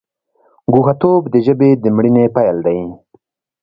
ګوښه توب د ژبې د مړینې پیل دی.